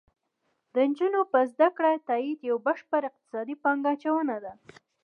د نجونو په زده کړه تاکید یو بشپړ اقتصادي پانګه اچونه ده